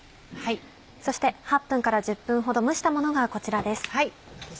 そして８分から１０分ほど蒸したものがこちらです。